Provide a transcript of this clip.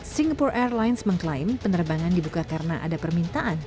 singapore airlines mengklaim penerbangan dibuka karena ada permintaan